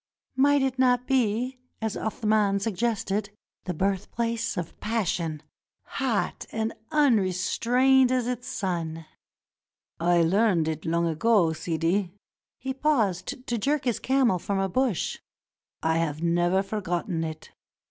Might it not be, as Athman sug gested, the birthplace of passion hot and unrestrained as its sun? "I learned it long ago, Sidi," — he paused to jerk his camel from a bush; "I have never forgotten it.